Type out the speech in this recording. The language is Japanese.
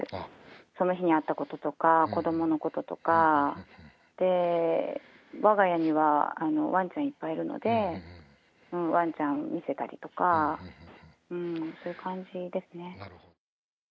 その日にあったこととか、子どものこととか、で、わが家には、ワンちゃんいっぱいいるので、ワンちゃんを見せたりとか、そういう感じですね。